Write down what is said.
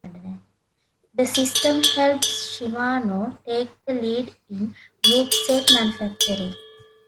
This system helped Shimano take the lead in groupset manufacturing.